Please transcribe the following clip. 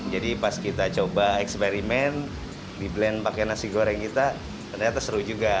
jadi pas kita coba eksperimen di blend pakai nasi goreng kita ternyata seru juga